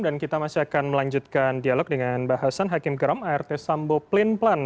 dan kita masih akan melanjutkan dialog dengan mbak hasan hakim geram art sambo plin plan